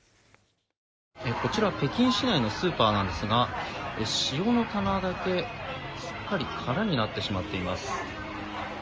こちら北京市内のスーパーなんですが、塩の棚だけすっかり空になってしまっています。